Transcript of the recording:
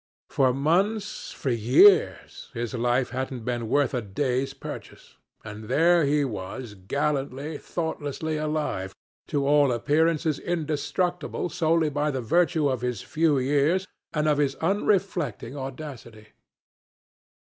For months for years his life hadn't been worth a day's purchase; and there he was gallantly, thoughtlessly alive, to all appearance indestructible solely by the virtue of his few years and of his unreflecting audacity.